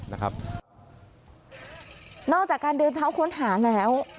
นอกจากการเดินเท้าค้นหาแล้ว